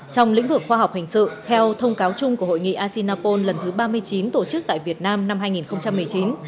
trong lĩnh vực khoa học hình sự theo thông cáo chung của hội nghị acinapol lần thứ ba mươi chín tổ chức tại việt nam năm hai nghìn một mươi chín